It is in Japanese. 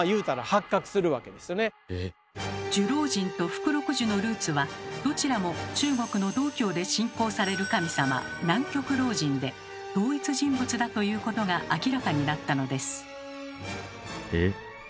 寿老人と福禄寿のルーツはどちらも中国の道教で信仰される神様南極老人で同一人物だということが明らかになったのです。